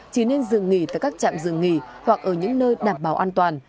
chỉ nên dừng nghỉ tại các trạm dừng nghỉ hoặc ở những nơi đảm bảo an toàn